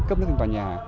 cấp nước trong tòa nhà